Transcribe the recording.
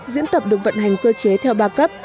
diễn tập được vận hành cơ chế theo ba cấp